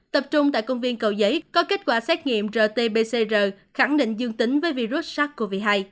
tập trung tại công viên cầu giấy có kết quả xét nghiệm rt pcr khẳng định dương tính với virus sars cov hai